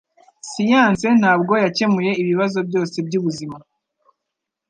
Siyanse ntabwo yakemuye ibibazo byose byubuzima